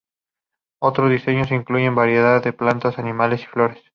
Otros diseños incluyen variedad de plantas, animales y flores.